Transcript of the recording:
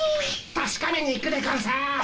たしかめに行くでゴンス。